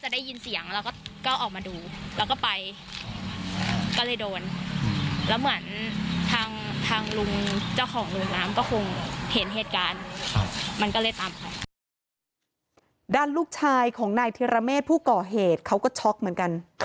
ด้านลูกชายของนายธิรเมฆผู้ก่อเหตุเขาก็ช็อกเหมือนกัน